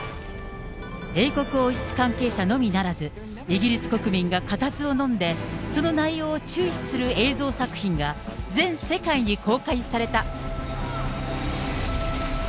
英国王室関係者のみならず、イギリス国民が固唾をのんで、その内容を注視する映像作品が、全世界に公開された。